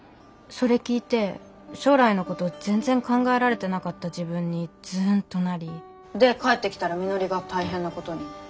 それ聞いて将来のこと全然考られてなかった自分にズンとなりで帰ってきたらみのりが大変なことに。